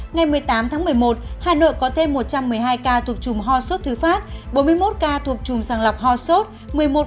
ngày một mươi tám tháng một mươi một hà nội có thêm một trăm một mươi hai ca thuộc trùm ho sốt thứ phát bốn mươi một ca thuộc chùm sàng lọc ho sốt